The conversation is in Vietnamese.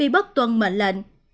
bằng mệnh lệnh